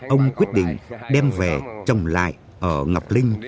ông quyết định đem về trồng lại ở ngọc linh